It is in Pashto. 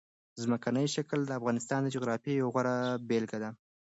ځمکنی شکل د افغانستان د جغرافیې یوه خورا غوره بېلګه ده.